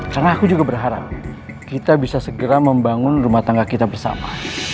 karena aku juga berharap kita bisa segera membangun rumah tangga kita bersama